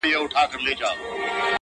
د سه شنبې د ورځې بنگ چي لا په ذهن کي دی